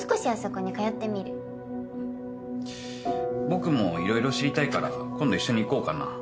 僕も色々知りたいから今度一緒に行こうかな。